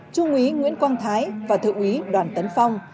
trung ủy nguyễn quang thái và thượng ủy đoàn tấn phong